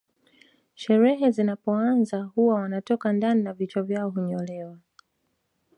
Sherehe zinapoanza huwa wanatoka ndani na vichwa vyao hunyolewa